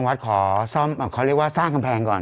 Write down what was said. และวันนี้ทางวัดขอเรียกว่าสร้างกำแพงก่อน